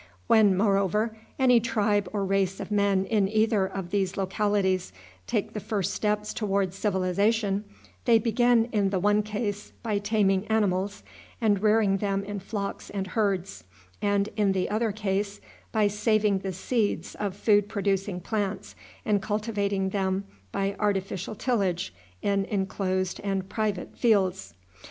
When, moreover, any tribe or race of men in either of these localities take the first steps toward civilization, they begin, in the one case, by taming animals, and rearing them in flocks and herds; and, in the other case, by saving the seeds of food producing plants, and cultivating them by artificial tillage in inclosed and private fields.